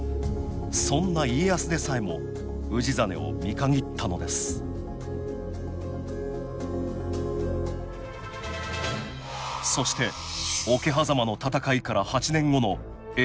そんな家康でさえも氏真を見限ったのですそして桶狭間の戦いから８年後の永禄１１年。